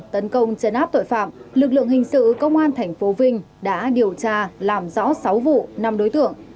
tấn công chấn áp tội phạm lực lượng hình sự công an tp vinh đã điều tra làm rõ sáu vụ năm đối tượng